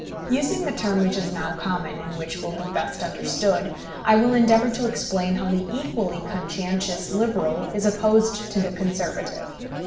Using the term which is now common, and which will be best understood, I will endeavour to explain how the equally conscientious Liberal is opposed to the Conservative.